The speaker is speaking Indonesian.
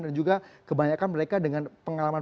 dan juga kebanyakan mereka dengan pengalaman